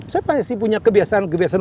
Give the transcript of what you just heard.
saya pasti punya kebiasaan kebiasaan